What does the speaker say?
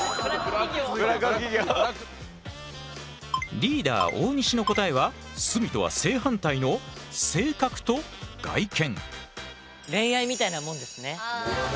リーダー大西の答えは角とは正反対の「性格」と「外見」。